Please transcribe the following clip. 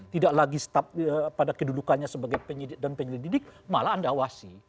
tidak lagi pada kedudukannya sebagai penyelidik dan penyelidik didik malah anda wasi